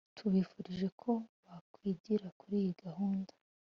tubifurije ko bakwigira kuri iyi gahunda